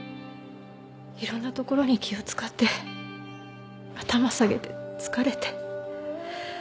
いろんなところに気を使って頭下げて疲れて。